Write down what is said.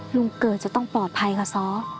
ลุงเกิดจะต้องปลอดภัยค่ะซ้อ